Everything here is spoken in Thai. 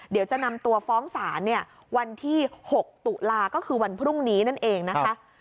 เดี๋ยวจะนำตัวฟ้องศาลวันที่๖ตุลาก็คือวันพรุ่งนี้นั่นเองนะคะ